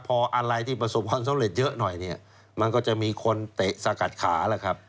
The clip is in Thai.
พออะไรที่ประสบความสำเร็จเยอะหน่อยเนี่ยมันก็จะมีคนเตะสกัดขาล่ะครับ